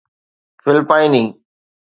فلپائني